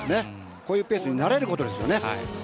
こういうペースに慣れることです。